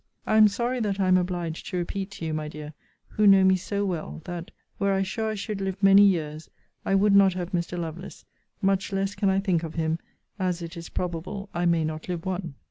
I am sorry that I am obliged to repeat to you, my dear, who know me so well, that, were I sure I should live many years, I would not have Mr. Lovelace; much less can I think of him, as it is probable I may not live one.